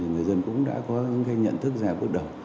người dân cũng đã có những nhận thức ra bước đầu